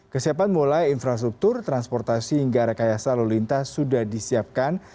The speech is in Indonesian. kesiapan mulai infrastruktur transportasi hingga rekayasa lalu lintas sudah disiapkan